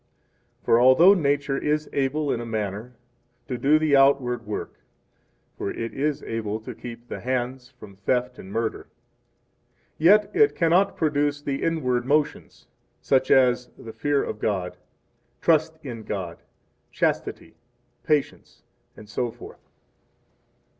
For, although nature is able in a manner to do the outward work, 9 (for it is able to keep the hands from theft and murder,) yet it cannot produce the inward motions, such as the fear of God, trust in God, chastity, patience, etc.